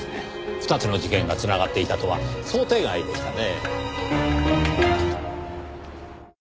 ２つの事件が繋がっていたとは想定外でしたね。